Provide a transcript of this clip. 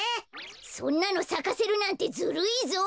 そんなのさかせるなんてずるいぞ！